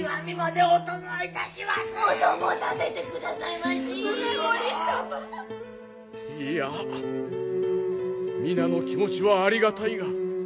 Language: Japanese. いいや皆の気持ちはありがたいが。